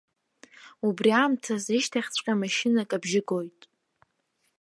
Убри аамҭазы ишьҭахьҵәҟьа машьынак абжьы гоит.